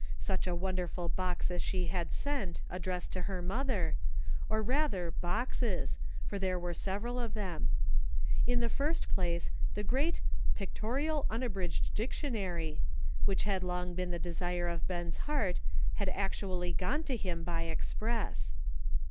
Such a wonderful box as she had sent, addressed to her mother ; or rather boxes, for there were several of them. In the first place, the great "Pictorial, Un abridged Dictionary," which had long been the desire of Ben's heart, had actually gone to him by express.